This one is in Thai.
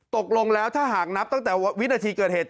ตกลงแล้วถ้าหากนับตั้งแต่วินาทีเกิดเหตุ